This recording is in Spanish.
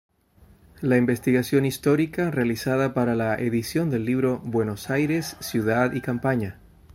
La investigación histórica realizada para la edición del libro "Buenos Aires ciudad y campaña.